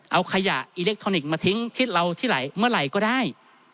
เอาขยะอิเล็กทรอนิกส์มาทิ้งที่เราที่ไหลเมื่อไหร่ก็ได้